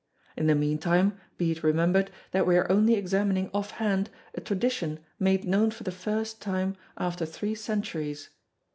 In the meantime, be it remembered, that we are only examining offhand a tradition made known for the first time after three centuries.